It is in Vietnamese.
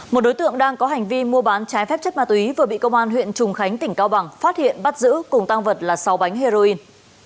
một đối tượng đang có hành vi mua bán trái phép chất ma túy vừa bị công an huyện trùng khánh tỉnh cao bằng phát hiện bắt giữ cùng tăng vật là sáu bánh heroin